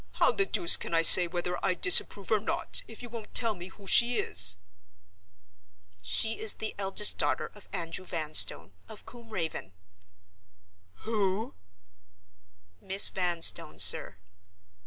How the deuce can I say whether I disapprove or not, if you won't tell me who she is?" "She is the eldest daughter of Andrew Vanstone, of Combe Raven." "Who!!!" "Miss Vanstone, sir."